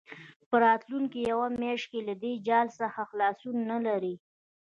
په راتلونکې یوه میاشت کې له دې جال څخه خلاصون نه لري.